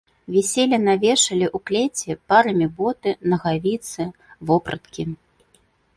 Віселі на вешале ў клеці парамі боты, нагавіцы, вопраткі.